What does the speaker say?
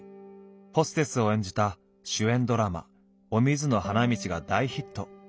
ホステスを演じた主演ドラマ「お水の花道」が大ヒット。